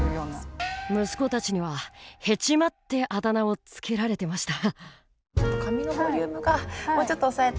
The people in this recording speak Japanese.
「息子たちにはへちまってあだ名を付けられてました」。